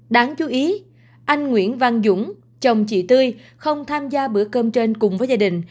đáng chú ý anh nguyễn văn dũng chồng chị tươi không tham gia bữa cơm trên cùng với gia đình